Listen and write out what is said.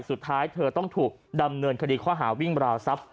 สุดท้ายเธอต้องถูกดำเนินคดีข้อหาวิ่งราวทรัพย